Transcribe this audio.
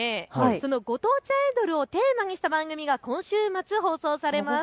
そのご当地アイドルをテーマにした番組が今週末、放送されます。